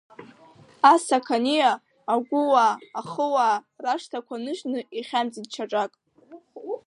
Асақаниа, агәыуаа, ахыуаа, рашҭақәа ныжьны ихьамҵит шьаҿак.